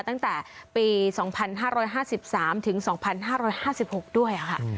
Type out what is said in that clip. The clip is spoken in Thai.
ตั้งแต่ปี๒๕๕๓ถึง๒๕๕๖ด้วยค่ะ